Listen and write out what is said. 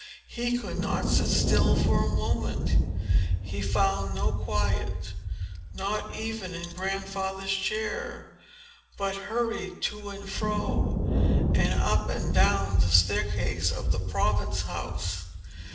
He could not sit still a moment. He found no quiet, not even in Grandfather's chair, but hurried to and fro, and up and down the staircase of the Province House.